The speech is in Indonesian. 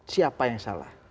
siapa yang salah